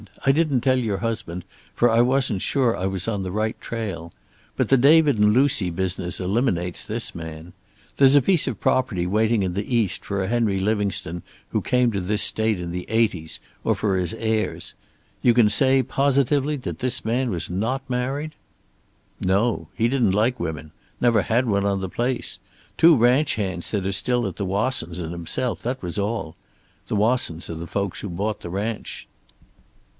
"I didn't tell your husband, for I wasn't sure I was on the right trail. But the David and Lucy business eliminates this man. There's a piece of property waiting in the East for a Henry Livingstone who came to this state in the 80's, or for his heirs. You can say positively that this man was not married?" "No. He didn't like women. Never had one on the place. Two ranch hands that are still at the Wassons' and himself, that was all. The Wassons are the folks who bought the ranch."